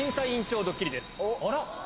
あら！